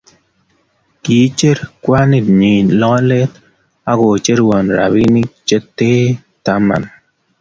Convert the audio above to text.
kiiecher kwanit nyi lolet ak kocherwo robinik che tee taman